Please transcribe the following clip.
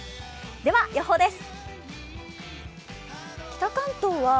では、予報です。